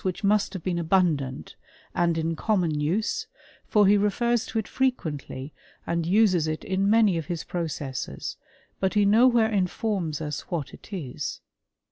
It was a substance whidi must have been abundant, and in common use, for he refers to it frequently, and uses it in many of his pro cesses ; but he nowhere informs us what it is.